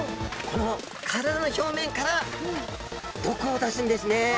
この体の表面から毒を出すんですね。